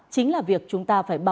chính là việc chúng ta phải làm